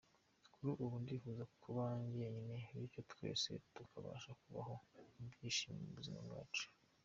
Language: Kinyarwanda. Kuri ubu ndifuza kuba njyenyine bityo twese tukabasha kubaho mu byishimo mu buzima bwacu.